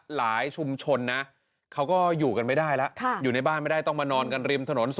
ชุมชนนะเขาก็อยู่กันไม่ได้แล้วอยู่ในบ้านไม่ได้ต้องมานอนกันริมถนน